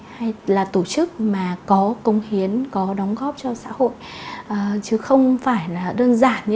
hay là người của mình